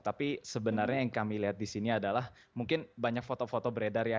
tapi sebenarnya yang kami lihat di sini adalah mungkin banyak foto foto beredar ya